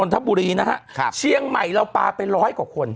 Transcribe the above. ทบุรีนะฮะครับเชียงใหม่เราปลาไปร้อยกว่าคน